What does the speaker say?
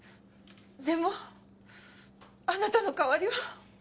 でもあなたの代わりは。